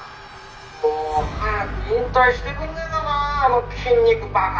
もう早く引退してくんねぇかなぁあの筋肉バカ！